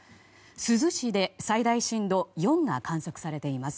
珠洲市で最大震度４が観測されています。